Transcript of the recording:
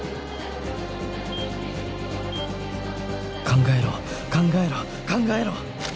考えろ考えろ考えろ！